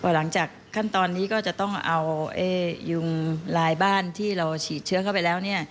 หลังจากขั้นตอนนี้ก็จะต้องเอายุงลายบ้านที่เราฉีดเชื้อเข้าไปแล้ว